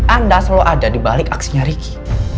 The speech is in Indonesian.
anda selalu ada dibalik aksinya riki